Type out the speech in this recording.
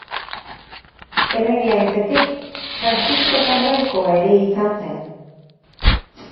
Erregea ez ezik frantziskotar laikoa ere izan zen.